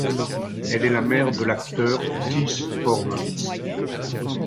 Elle est la mère de l'acteur Thijs Boermans.